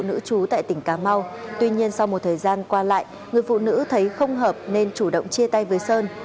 sơn đã gặp một phụ nữ chú tại tỉnh cà mau tuy nhiên sau một thời gian qua lại người phụ nữ thấy không hợp nên chủ động chia tay với sơn